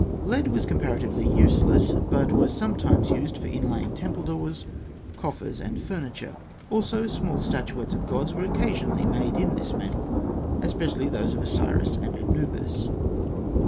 Lead was comparatively useless, but was sometimes used for inlaying temple doors, coffers, and furniture. Also small statuettes of gods were occasionally made in this metal, especially those of Osiris and Anubis.